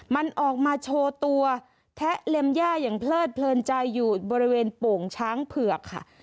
มันออกมาโชว์ตัวแทะเล็มย่าอย่างเพลิดเพลินใจอยู่บริเวณโป่งช้างเผือกค่ะ